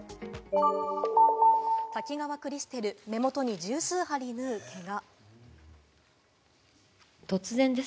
滝川クリステル、目元に十数針縫うけが。